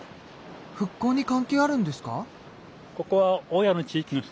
復興に関係あるんですか？